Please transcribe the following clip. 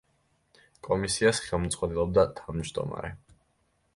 კომისიას ხელმძღვანელობდა თავმჯდომარე.